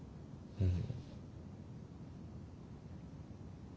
うん。